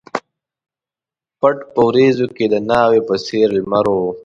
پټ په وریځو کښي د ناوي په څېر لمر و